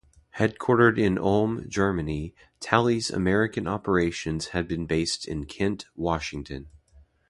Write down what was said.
Headquartered in Ulm, Germany, Tally's American operations had been based in Kent, Wash.